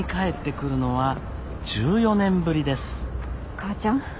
母ちゃん。